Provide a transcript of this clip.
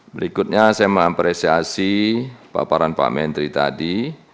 berikutnya saya mengapresiasi paparan pak menteri tadi